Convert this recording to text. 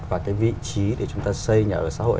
và cái vị trí để chúng ta xây nhà ở xã hội